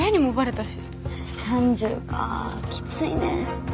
３０かきついね。